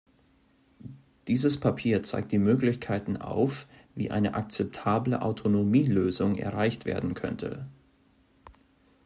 Dieses Papier zeigt die Möglichkeiten auf, wie eine akzeptable Autonomielösung erreicht werden könnte.